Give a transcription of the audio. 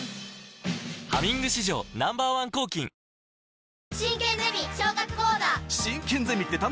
「ハミング」史上 Ｎｏ．１ 抗菌もうさ